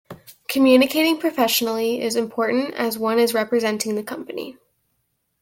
Communicating professionally is important as one is representing the company.